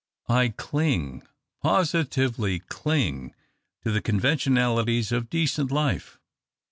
I cling, positively clino;, to the conventionalities of decent life.